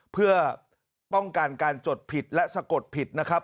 เพื่อป้องกันการจดผิดและสะกดผิดนะครับ